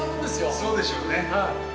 そうでしょうね。